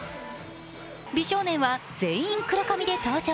美少年は全員黒髪で登場。